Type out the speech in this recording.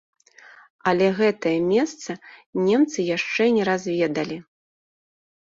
Але гэтае месца немцы яшчэ не разведалі.